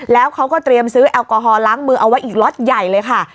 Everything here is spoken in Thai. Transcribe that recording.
แล้วเขาก็เตรียมซื้อแอลกอฮอลล้างมือเอาไว้อีกล็อตใหญ่เลยค่ะ